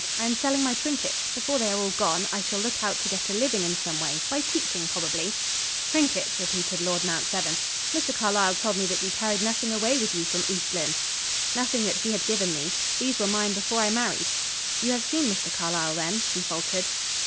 "I am selling my trinkets. Before they are all gone, I shall look out to get a living in some way; by teaching, probably." "Trinkets!" repeated Lord Mount Severn. "Mr. Carlyle told me that you carried nothing away with you from East Lynne." "Nothing that he had given me. These were mine before I married. You have seen Mr. Carlyle, then?" she faltered.